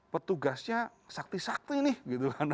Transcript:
petugasnya sakti sakti nih